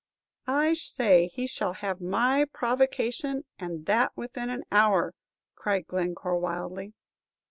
"I say he shall have my provocation, and that within an hour!" cried Glencore, wildly.